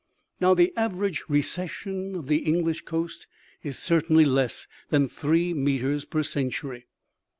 Now, the average recession of the English coast is cer tainly less than three meters per century.